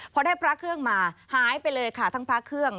พอได้พระเครื่องมาหายไปเลยค่ะทั้งพระเครื่อง